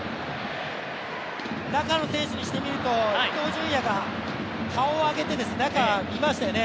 中の選手にしてみると伊東純也が顔を上げて中を見ましたよね。